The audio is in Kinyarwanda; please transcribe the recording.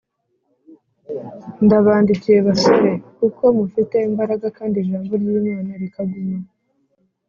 Ndabandikiye basore, kuko mufite imbaraga kandi ijambo ry’Imana rikaguma